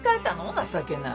情けない。